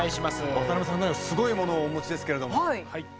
渡辺さんねすごいものをお持ちですけれども。